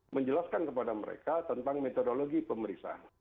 menjelaskan kepada mereka tentang metodologi pemeriksaan